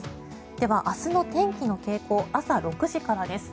では、明日の天気の傾向朝６時からです。